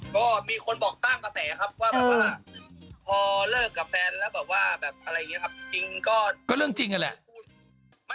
ก็มีคนบอกตั้งกระแสครับว่าแบบว่าพอเลิกกับแฟนแล้วแบบว่าอะไรอย่างนี้ครับ